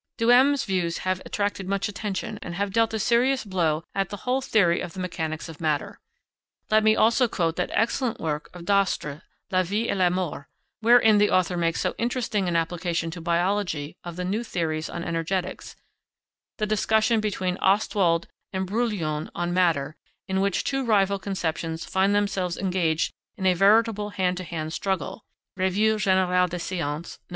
Duhem's views have attracted much attention, and have dealt a serious blow at the whole theory of the mechanics of matter. Let me also quote that excellent work of Dastre, La Vie et la Mort, wherein the author makes so interesting an application to biology of the new theories on energetics; the discussion between Ostwald and Brillouin on matter, in which two rival conceptions find themselves engaged in a veritable hand to hand struggle (Revue générale des Sciences, Nov.